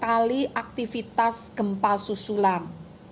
dua puluh dua kali aktivitas gempa susulan